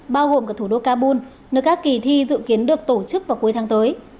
bao gồm cả thủ đô kabul nơi các kỳ thi dự kiến được tổ chức vào cuối tháng tới